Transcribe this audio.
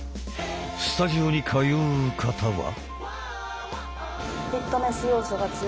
スタジオに通う方は。